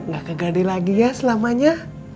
gak kegade lagi ya selamanya